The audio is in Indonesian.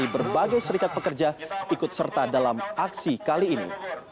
berbagai serikat pekerja ikut serta dalam aksi kali ini